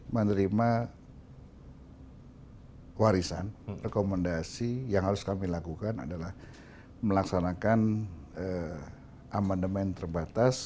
menerima warisan rekomendasi yang harus kami lakukan adalah melaksanakan amandemen terbatas